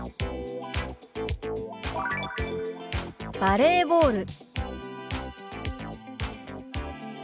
「バレーボール」。